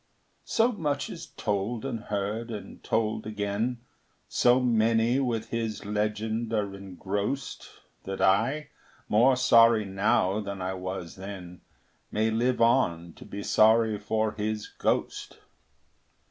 So much is told and heard and told again, So many with his legend are engrossed, That I, more sorry now than I was then, May live on to be sorry for his ghost.